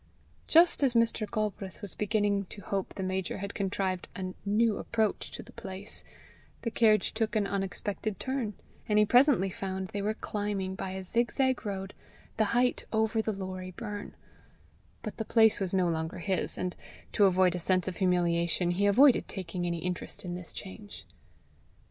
Just as Mr. Galbraith was beginning to hope the major had contrived a new approach to the place, the carriage took an unexpected turn, and he found presently they were climbing, by a zig zag road, the height over the Lorrie burn; but the place was no longer his, and to avoid a sense of humiliation, he avoided taking any interest in the change.